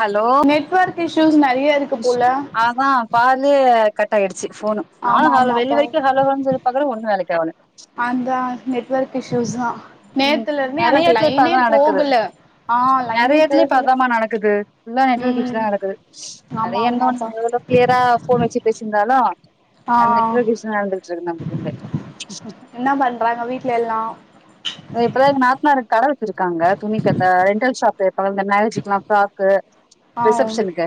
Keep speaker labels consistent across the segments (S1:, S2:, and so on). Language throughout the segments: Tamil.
S1: ஹலோ
S2: நெட்வொர்க் இஷ்யூஸ் நெறைய இருக்
S1: ஸ்சு அதா பாதில கட் ஆயிடுச்சு ஃபோனு நானு
S2: ஆமா
S1: கால்ல வெள்ளி
S2: ஆமாப்பா
S1: வரிக்கு ஹலோ ஹலோன்னு சொல்லி பாக்குற ஒண்ணு வேலைக்கு ஆவுல
S2: அந்தா நெட்வொர்க் இஷ்யூஸ் தா
S1: ம்
S2: நேத்துல இருந்து
S1: நெறைய
S2: எனக்கு
S1: எடத்துல இப்ப
S2: லைனே
S1: அதா நடக்குது
S2: போகல ஆ லைனே
S1: நெறைய எத்துல இப்ப
S2: போகல
S1: அதமா நடக்குது ஃபுல்லா நெட்வொர்க் இஷ்யூ
S2: ம்
S1: தா நடக்குது
S2: ஆமா
S1: அது எங்க
S2: ஆமாப்பா
S1: ஒன்னுமே [unintelligible] கிளியரா ஃபோன் வச்சு பேசியிருந்தாலு
S2: ஆ
S1: அந்த நெட்வொர்க் இஷ்யூ நடந்துகிட்டு இருக்கு நமக்கு இங்க
S2: என்ன பண்றாங்க வீட்ல எல்லா
S1: இப்ப தா எங்க நாத்தனாரு கட வச்சுருக்காங்க துணிக்கட அந்த ரென்டல் ஷாப் இருக்குல்ல இந்த நகசீட்டுல்லா ஃப்ராக்கு
S2: ஆ
S1: ரிசப்ஷனுக்கு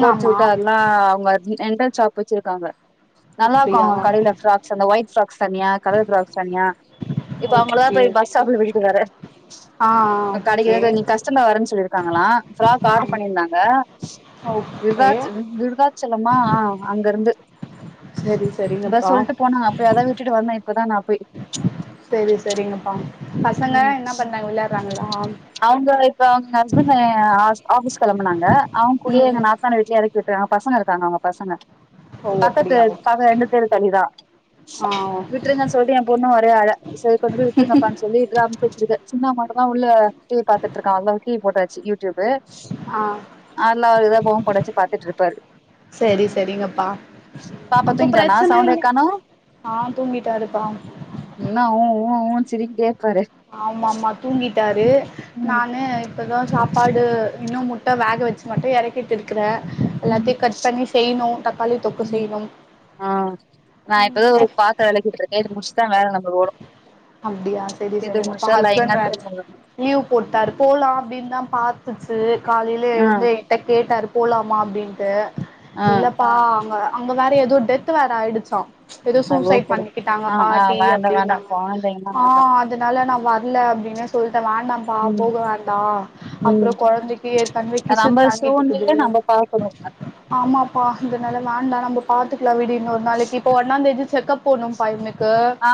S1: கோட்
S2: ஆமா
S1: சூட்டு அல்லா அவுங்க ரென்டல் ஷாப் வச்சிருக்காங்க நல்லா இருக்கு
S2: அப்டியா
S1: அவுங்க கடையில ஃப்ராக் அந்த ஒயிட் ஃப்ராக்ஸ் தனியா கலர் ஃப்ராக்ஸ் தனியா இப்ப அவுங்களா
S2: ஓகே
S1: பேய் பஸ்
S2: ஓகே
S1: ஸ்டாப்ல விட்டுட்டு வர
S2: ஆ
S1: இப்ப
S2: ஓகே
S1: கடைக்குதாத நீ கஸ்டமர் வரேன்னு சொல்லிருக்காங்களா ஃப்ராக் ஆர்டர்
S2: அம்
S1: பண்ணிருந்தாங்க
S2: ஓகே
S1: விருதாச் விருதாத் சலமா ஆ அங்க இருந்து
S2: சரி
S1: அதா
S2: சரிங்கப்பா
S1: சொல்ட்டு போனாங்க இப்ப அதா போய் விட்டுட்டு வந்த இப்பதா நா போய்
S2: செரி செரி செரிங்கப்பா பசங்க என்ன பண்றாங்க விளையாடுறாங்களா
S1: அவுங்க இப்ப அவுங்க ஹஸ்பண்ட் ஆஃபிஸ் கெளம்புனாங்க அவுங்க கூடயே
S2: ம் ம்
S1: எங்க நாத் தனார் வீட்ல எறக்கி விட்டாங்க பசங்க இருக்காங்க அவுங்க பசங்க
S2: ஓ
S1: பக்கத்து
S2: அப்டியா ஓகே
S1: பக்க ரெண்டு தெரு தள்ளிதா
S2: ஆ
S1: விட்டுருங்க சொல்லி ஏ பொண்ணு ஒரே அழ செரி கொண்டு போய் விட்ருங்கப்பான்னு சொல்லி இப்பதா அனுப்பி வச்சுருக்கே சின்னவ மட்டு தா உள்ள டி வி பாத்துட் இருக்கா [unintelligible] டி வி போட்டாச்சு யூடியூப்பு
S2: ஆ
S1: அதுல அவ்ரு எதாது பொம் படொ வச்சு பாத்துட் இருப்பாரு
S2: செரி செரிங்கப்பா
S1: பாப்பா
S2: அப்போ
S1: தூங்கிட்டானா
S2: பிரச்சன
S1: சவுண்டே
S2: இல்ல
S1: காணோ இன்னொ ஊ ஊ ஊ ன்னு சினிங்ட்டே இருப்பாரு
S2: ஆமா ஆமா தூங்கிட்டாரு
S1: ம்
S2: நானு இப்ப தா சாப்பாடு இன்னொ முட்ட வேக வச்சு மட்டு எறக்கிட்டு இருக்குறே
S1: ம்
S2: எல்லாத்தையு கட் பண்ணி செய்யணு தக்காளி தொக்கு
S1: ம்
S2: செய்ணும்
S1: ஆ நா இப்பதா ஒரு
S2: ம்
S1: பாத்தரோ வெளக்கிட்டு இருக்கே இது முட்ச்தா வேல நம்மள் ஓடு
S2: அப்டியா செரி
S1: இது
S2: செரி இப்ப
S1: முடிச்சா லைனா
S2: ஹஸ்பண்ட் வேற
S1: திரும்ப
S2: லீவு போட்டாரு போலா அப்டின் தா பாத்துச்சு காலைல
S1: ஆ
S2: எழுந்து என்ட கேட்டாரு போலாமா அப்டின்ட்டு
S1: ஆ
S2: இல்லப்பா அங்க அங்க வேற எதோ டெத் வேற ஆயிடுச்சா எதோ
S1: அது
S2: சூசைட் பண்ணிக்கிட்டாங்க பாட்டி அப்டின்னாங்க
S1: பாதயும்
S2: ஆ அதுனால நா வர்ல அப்டின்னே சொல்ட்டே வேண்டாம்ப்பா
S1: ம்
S2: போக வேண்டா அப்றொ
S1: ம்
S2: கொழந்தக்கி ஏற்கனவே கிசு
S1: நம்ம
S2: தங்கிட் இருக்குது
S1: சூழ்நிலைய நம்ம பாக்கணு
S2: ஆமாப்பா இது நால வேண்டா நம்ப பாத்துக்கலா விடு இன்னொரு நாளக்கி இப்ப ஒன்னாந்தேதி செக்கப் போனு பா எனுக்கு
S1: ஆ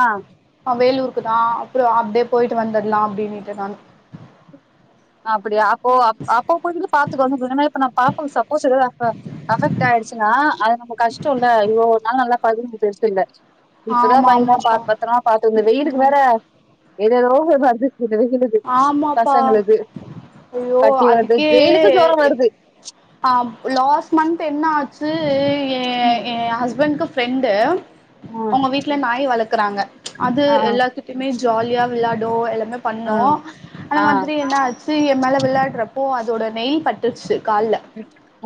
S2: வேலூருக்கு தா அப்பறொ அப்டியே போயிட்டு வந்தட்லா அப்டின்னுட்டு தா
S1: அ அப்புடியா அப்போ அப்போ போயி கூட பாத்துக்கோ [unintelligible] குணமாகி இப்ப நா பாப்பா சப்போஸ் ஏதாது அஃபெக்ட் ஆயிடுச்சுன்னா அது நம்மக் கஷ்டொல்ல இவ்ளோ நாள் நல்லா [unintelligible] பெருசு இல்ல இப்பதா
S2: ஆமா
S1: பையன
S2: ஆமாப்பா
S1: பாத் பத்தரமா பாத்துகுங்க இந்த வெயிலுக்கு
S2: ம்
S1: வேற எது ஏதோ வருது இந்த வெயிலுக்கு
S2: ஆமாப்பா
S1: பசங்களுக்கு
S2: ஐயோ
S1: கட்டி வருது வெயிலுக்கு ஜொரொ வருது
S2: அ லாஸ்ட் மந்த் என்ன ஆச்சு எ
S1: ம்
S2: எ ஹஸ்பண்ட்க்கு ஃப்ரெண்ட்டு
S1: ம்
S2: அவுங்க வீட்ல நாய் வளக்குறாங்க அது
S1: ஆ
S2: எல்லாத்து ட்யுமே ஜாலியா விளாடு எல்லாமே
S1: ஆ
S2: பண்ணு அந்த
S1: ஆ
S2: மாதிரி என்ன ஆச் து எ மேலே விளாட்றப்போ அதோட நெயில் பட்ருச்சு கால்ல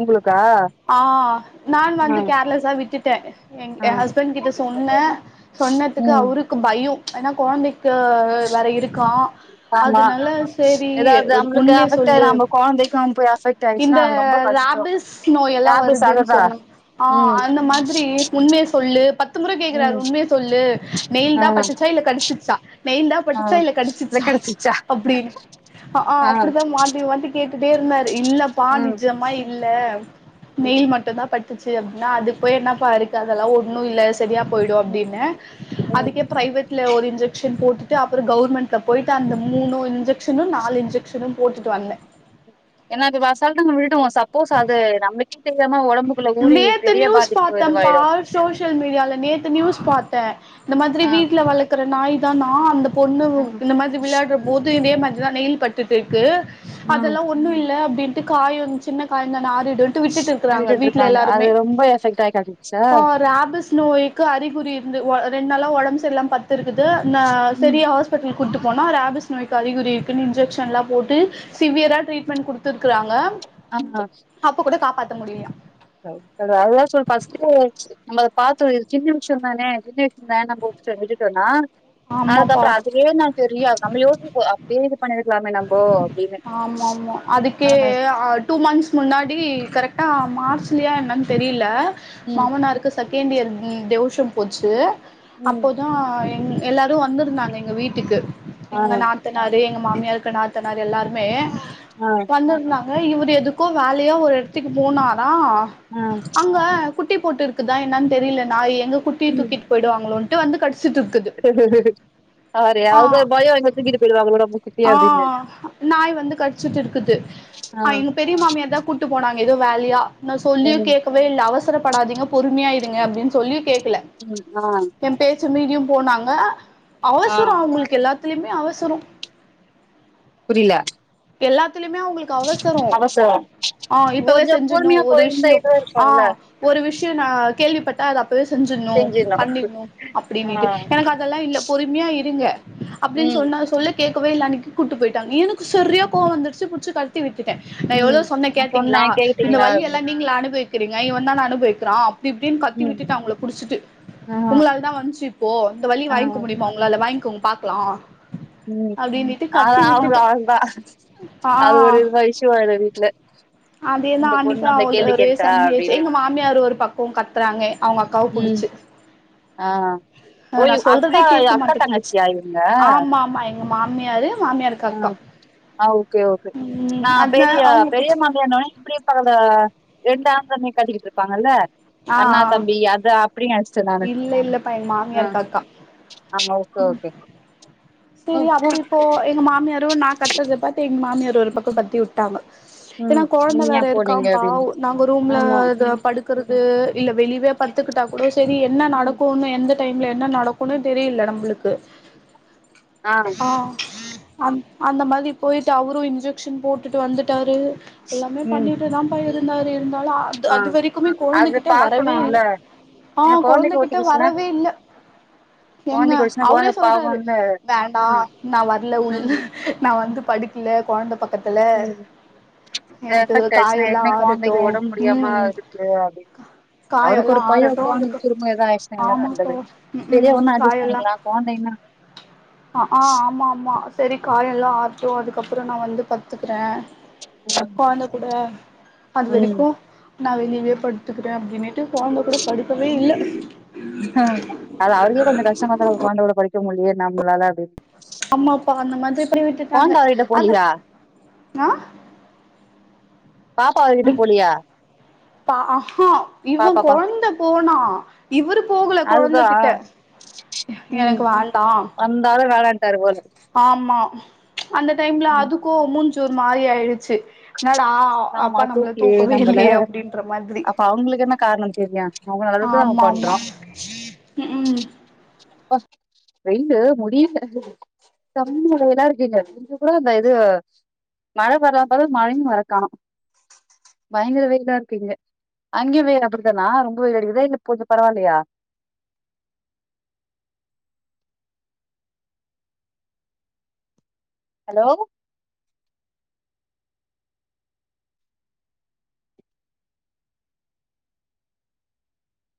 S1: உங்களுக்கா
S2: ஆ நான்
S1: ஆ
S2: வந்து கேர்லஸா விட்டுட்டே எங்
S1: ஆ
S2: எ ஹஸ்பண்ட் கிட்ட சொன்னே சொன்னதுக்கு
S1: ம்
S2: அவுரு கு பையு ஏன்னா கொழந்தைக்கு வேற இருக்கா
S1: ஆமா
S2: அதுனால சேரி
S1: ஏதாவது நம்மளுக்கு
S2: உண்மய
S1: அஃபெக்ட் ஆயி
S2: சொல்லு
S1: நம்ம கொழந்தைக்கு போய் அஃபெக்ட்
S2: இந்த
S1: ஆயிடுச்சுன்னா அது ரொம்ப கஷ்டோ
S2: ராபிஸ் நோய் எல்லா
S1: ரேபிஸ்
S2: வருதுன்னு
S1: ஆகுதா
S2: சொன்னா ஆ
S1: ம்
S2: அந்த மாதிரி உண்மய சொல்லு பத்து முற கேக்குறாரு
S1: ம்
S2: உண்மய சொல்லு நெயில்
S1: ஆ
S2: தா பட்டுச்சா இல்ல கடிச்சுச்சா நெயில் தா
S1: ஆ
S2: பட்டுச்சா இல்ல கடிச்சிச்சா அப்டின் ஆ அப்டித்தா மாத்தி மாத்தி கேட்டுட்டே இருந்தாரு இல்லப்பா
S1: ம்
S2: நிஜமா இல் இல்ல
S1: ம்
S2: நெயில் மட்டுந்தா பட்டுச்சு அப்டின்னா அதுக் போய் என்னா பா இருக்கு அதெல்லா ஒன்னு இல்ல செரியா போய்டு அப்டின்னு
S1: ம்
S2: அதுக்கே பிரைவேட்ல ஒரு இன்ஜெக்சன் போட்டுட்டு அப்பறொ கெவுர்மெண்ட்ல போயி ட்டு அந்த மூனு இன்ஜெக்ஷனு நாலு இன்ஜெக்ஷனு போட்டுட்டு வந்தே
S1: ஏன்னா அது வசால்ட்டா நம் விட்டுட்டொ சப்போஸ் அது நமக்கே தெரியாம ஒடம்பு
S2: நேத்து நியூஸ் பாத்தம்ப்பா சோஷி யல் மீடியால நேத்து நியூஸ் பாத்தே இந்த மாதிரி
S1: ஆ
S2: வீட்டுல வளக்குற நாய் தானா அந்த பொண்ணு
S1: ஆ
S2: இந்த மாதிரி விளையாடுற போது இதே மாரி தா நெயில் பட்டுட்டு இருக்கு
S1: ம்
S2: அதெல்லா ஒன்னு இல்ல அப்டின்ட்டு காயொ வந் சின்ன காயொந்தானா ஆறிடுன்டு விட்டுட்டு இருக்குறாங்க விட்
S1: டாங்க அது ரொம்ப எஃபெக்ட் ஆயி காட்டிர்ச்சா
S2: ராபிஸ் நோய்க்கு அறிகுறி இருந்து ரெண்டு நாளா ஒடம்பு சரி இல்லாம‌ படுத்துருக்குது ந
S1: ம்
S2: செரியா ஹாஸ் பிட்லுக் கூட்டு போனா ராபிஸ் நோய்க்கு அதிகுறி இருக்குன் இன்ஜெக்ஷன்லா போட்டு சிவியரா ட்ரீட்மெண்ட் குடுத்துருக்குறாங்க
S1: ஆ
S2: அப்ப கூட காப்பாத்த முடிய்லியா
S1: கட அதலா சொல் அ ஃபஸ்ட்டு நம்ம அத பத்தோ இது சின்ன விஷ்யோ தானே சின்ன விஷ்யோ தானே நம்ம விட்டுடோனா அதுக்கப்பற
S2: ஆமாப்பா
S1: அதுவே நா தெரியாது நம்ம யோசிப்போ அப்யே இது பண்ணிர்க்கலாமே நம்போ அப்டின்னு
S2: ஆமாமா அதுக்கே
S1: ஆமா
S2: ஆட் டூ மந்த்ஸ் முன்னாடி கரெக்டா மார்ச் லியா என்னன் தெரியில
S1: ம்
S2: மாமனாருக்கு தககேண் இயர் ம் தெவுஷோ போச்சு
S1: ம்
S2: அப்போதா எங் எல்லாரு வந்துருந்தாங்க எங்க வீட்டுக்கு
S1: ஆ
S2: எங்க நாத்னாரு எங்க மாமியாருக்கு நாத்னார் டெல்லாருமே
S1: அ
S2: வந்துருந்தாங்க இவுர் எதுக்கோ வேலயா ஒரு எடத்துக்கு போனாரா
S1: ஆ
S2: அங்க குட்டி போட்டுருக்குதா என்னான் தெரில நாயி எங்க குட்டிய தூக்கிட் போய்டுவாங்களோன்ட்டு வந்து கட்ச்சிட்ருக்
S1: ஆரி அது ஒரு பயோ எங்க தூங்கிட்டு போயிடுவாங்களோ நம்ம குட்டிய
S2: ஆ
S1: அப்டின்னு
S2: நாய் வந்து கட்ச்சுட்டு இருக்குது
S1: ஆ
S2: அ எங் பெரிய மாமியார் தா கூட்ட்டு போனாங்க எதோ வேல்யா நா சொல்யு
S1: ம்
S2: கேக்கவே இல்ல அவசரப்படாதீங்க பொறுமையாருங்க அப்டின் சொல்யு கேக்குல
S1: ம் ஆ
S2: ஏ பேச்ச மீடியு போனாங்க
S1: ஆ
S2: அவசரோ அவுங்ளுக்கு எல்லாத்லியுமே அவசரோ
S1: புரில
S2: எல்லாத்துலிமே அவுங்களுக்
S1: அவசரம்
S2: ஆ இப்பவே செஞ்சிட்ணு ஒரு விஷ்யோ அ
S1: இருக்குல்ல
S2: ஒரு விஷ்யோ நா கேள்விப்பட் த அப்பவே செஞ்சிட்ணும
S1: செஞ்சிர்னு
S2: பண்ணிட்ணு அப்டின்னிட்டு
S1: ஆ
S2: எனக்கு அதல்லா இல்ல பொறும்யா இருங்க அப்டின்
S1: ம்
S2: சொன்னா சொல்ல கேக்குவே இல்ல அன்னக்கி கூட்டு போய்ட்டாங்க எனக்கு சரியா கோவ வந்துச்சு புடுச்சி கத்தி விட்டுட்ட நா
S1: ம்
S2: எவ்ளோ சொன்ன
S1: நா சொன்னே
S2: கேட்டீங்ளா இந்த
S1: கேட்டீங்களா
S2: வலி எல்லா
S1: அப்டின்னு
S2: நீங்ளா அனுப்விக்கிறீங்க இவ தான அனுப்விக்கிறா பிப்டின் கத்தி
S1: ம்
S2: விட்டுட்ட அவுங்ள புடிச்சிட்டு
S1: ஆமா
S2: உங்ளாலதா வந்துச்சு இப்போ இந்த வலி
S1: ஆ
S2: வாங்க்க முடியுமா உங்ளால வாங்க்கோங்க பாக்லா
S1: ம்
S2: அப்டின்னிட்டு
S1: அது
S2: கத்தி
S1: அபவுளோ
S2: விட்டுட்டே
S1: அவுள்தா அது
S2: ஆ
S1: ஒரு இதுவா இஷு வாடு வீட்ல
S2: அதேதா
S1: இந்த பொண்ணு
S2: அன்னக்கு
S1: நம்மள
S2: அவுள்து
S1: கேள்வி
S2: ஒரே
S1: கேட்டுட்டா
S2: சந்தி ஆய்ச்சு
S1: அப்டின்னு
S2: எங்க மாமியார் ஒரு பக்கோ கத்துறாங்கே அவுங்க அக்காவ
S1: ம்
S2: புடுச்சு
S1: ஆ ஓ
S2: அ நா
S1: இவ்
S2: சொல்றதே
S1: அக்கா
S2: கேக்க
S1: அக்கா
S2: மாட்டுக்குறன்
S1: தங்கச்சியா இவங்க
S2: ஆமா ஆமா எங்க மாமியார் மாமியார்க்
S1: அ அ ஓகே ஓகே
S2: ம்
S1: நா
S2: அதா
S1: பெரிய
S2: அவங்க புடிச்சு
S1: பெரியமாம் கியா இன்னவொனே இப்டியே பகல ரெண்டு ஆந்தமே காட்டிக்கிட்ருப்பாங்கல்ல
S2: ஆ
S1: அண்ணா
S2: ஆ
S1: தம்பி அதா ப்டி நெனச்ட்ட நானு
S2: இல்ல இல்லப்பா எங்க
S1: அ
S2: மாமியாருக்கு அக்கா
S1: ஆமா ஓகே ஓகே
S2: செரி அப்ப இப்போ எங்க மாமியாரு நா கத்தற்த பாத் எங்க மாமியார் ஒரு பக்கோ கத்தி உட் டாம ஏன்னா
S1: ம்
S2: கொழந்த
S1: நீங்க ஏ
S2: வேற இருக்கா
S1: போனீங்க
S2: பாவோ
S1: அப்டின்னு
S2: நாங்க ரூம்ல
S1: ஆமா
S2: இத படுத் க்குறுது இல்ல வெளிவே பட்த்துக்குட்டா கூட சேரி என்ன
S1: ம்
S2: நடக்குன்னு எந்துர் டைம்ல என்ன நடக்குனே தெரிய்ல நம்புளுக்கு
S1: ஆ
S2: அ அந் அந்த மாதி போய்ட்டு அவரு இஞ்சக் ஷென் போட்டுட்டு வந்துட்டாரு எல்லாமே
S1: ம்
S2: பண்ணிட்டுதாம்ப்பா இருக் தாரு இருந்தாலு அத்
S1: ஆ
S2: அது வரிக்குமே
S1: அது
S2: கொழுந்தகிட்ட வரவே இல்ல
S1: பாக்கணும்ல
S2: ஆ
S1: பின்ன கொழந்தைக்கு
S2: கொழுந்தகிட்ட
S1: ஒட்டிக்கிச்சுன்னா
S2: வரவே இல்ல எங்க
S1: கொழந்தைக்கு ஒட்டிச்சுன்னா
S2: அவுரே
S1: கொழந்த
S2: சொல்றாரு
S1: பாவம்ல
S2: வேண்டா
S1: ம்
S2: நா வர்ல உள்
S1: ம்
S2: நா வந்து படுக்கல கொழந்த பக்கத்துல எனக்கு
S1: லேசா [unintelligible]
S2: காயெல்லா
S1: ஏற்க்னவே
S2: ஆறட்டு
S1: கொழ்ந்தைக்கு ஒடம் முடியாம
S2: ம்
S1: இருக்கு அப்டின்னு அவுருக்கு
S2: காயெல்லா
S1: ஒரு பைய
S2: ஆறட்டு
S1: போனது
S2: அதுக்கு
S1: திரும்ப எதா ஆய்ட்ச்சினா என்னா
S2: ஆமாப்பா
S1: பண்றது
S2: ம் ம்
S1: பெரியவன்னா அட்ஜஸ்
S2: காயெல்லா
S1: பண்ணிக்கலா கொழ்ந்தைன்னா
S2: ஆ ஆ ஆமா ஆமா செரி காயோ எல்லா ஆற்ட்டு அதுக்கப்றோ நா வந்து பத்துக்கிறே கொழந்த கூட அது
S1: ம்
S2: வரைக்கு நா வெளியவே படுத்துக்கிறே அப்டின்னு ட்டு கொழந்த கூட படுக்கவே இல்ல
S1: கொழ்ந்த கூட படுக்கவே முட்லயே நம்ளால அப்டின்
S2: அம்மா அப்பா அந்த மாதிர் பண்ணி
S1: கொழந்த
S2: விட்டுட்டாங்க
S1: அவர்கிட்ட
S2: அது
S1: போலியா பாப்பா அவர்கிட்டக் போலியா
S2: பா அ ஹா இவ
S1: பாப்பாப்பா
S2: கொழந்த போனா இவுரு போகல
S1: அதுதா
S2: கொழந்தகிட்ட
S1: ம்
S2: எனக்கு வேண்டா
S1: வந்தாலு வேணான்ட்டாரு போல
S2: ஆமா அந்த டைம்ல அதுக்கு மூஞ்சி ஒரு மாரி ஆய்டுச்சி என்னடா
S1: ஆமா
S2: அப்பா நம்மள
S1: தூக்கி
S2: தூக்கவே
S1: எரிறா போல
S2: இல்லையே அப்டின்ற மாதிரி
S1: அப்போ அவுங்களுக்கு என்ன கார்ணோ தெரியு அவுங்க நல்லதுக்குதா நாம
S2: ஆமா ஆமா
S1: பண்றோ
S2: ம் ம்
S1: ப்பா வெயிலு முடியில [unintelligible] எல்லா இருக்கு இங்க கொஞ்சோ கூட அந்த இது மழ வராப் பெறவு மழையு வர காணோ பயங்கர வெயிலா‌‌ இருக்கு இங்க அங்கயு வெயிலு அப்பிடிதானா ரொம்போ வெயில் அடிக்குதா இல்ல இப் கொஞ்சோ பரவால்லயா அலோ